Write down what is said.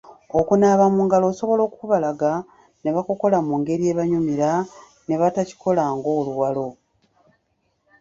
Okunaaba mu ngalo osobola okukubalaga ne bakukola mu ngeri ebanyumira ne batakikola ng’oluwalo.